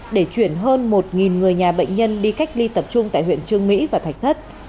để chuyển hơn một người nhà bệnh nhân đi cách ly tập trung tại huyện trương mỹ và thạch thất